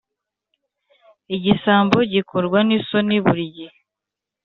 igisambo gikorwa n’isoni buri gihe